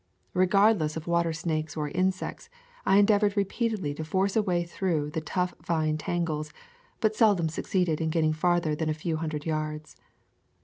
Regardless of water snakes or insects, I endeavored repeatedly to force a way through the tough vine tangles, but seldom succeeded in getting farther than a few hundred yards.